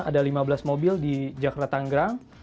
ada lima belas mobil di jakarta tanggerang